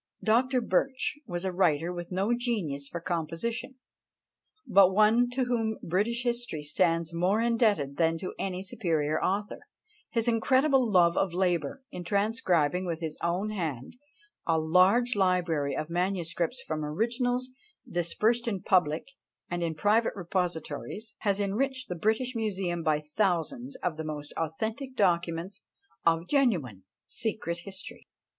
Dr. Birch was a writer with no genius for composition, but one to whom British history stands more indebted than to any superior author; his incredible love of labour, in transcribing with his own hand a large library of manuscripts from originals dispersed in public and in private repositories, has enriched the British Museum by thousands of the most authentic documents of genuine secret history.